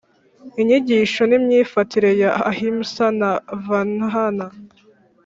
inyigisho n’imyifatire ya ahimsa na varna